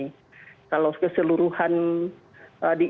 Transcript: jadi kalau keseluruhan diimajin